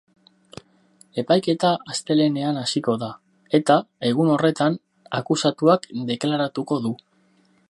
Epaiketa astelehenean hasiko da, eta, egun horretan, akusatuak deklaratuko du.